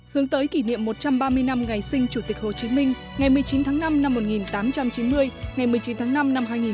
hướng tới kỷ niệm một trăm ba mươi năm ngày sinh chủ tịch hồ chí minh ngày một mươi chín tháng năm năm một nghìn tám trăm chín mươi ngày một mươi chín tháng năm năm hai nghìn hai mươi